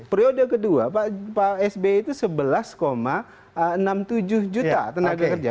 periode kedua pak sby itu sebelas enam puluh tujuh juta tenaga kerja